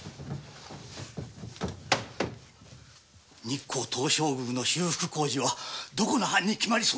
日光東照宮の修復工事はどこの藩に？